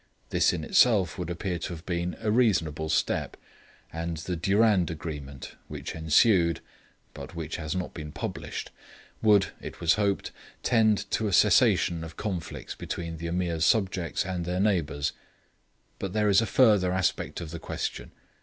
This in itself would appear to have been a reasonable step; and the 'Durand Agreement' which ensued (but which has not been published) would, it was hoped, tend to a cessation of conflicts between the Ameer's subjects and their neighbours. But there is a further aspect of the question.